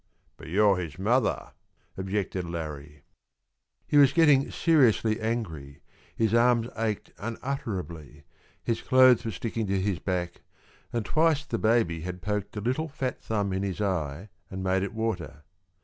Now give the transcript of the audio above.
"But you're his mother," objected Larrie. He was getting seriously angry, his arms ached unutterably, his clothes were sticking to his back, and twice the baby had poked a little fat thumb in his eye and made it water.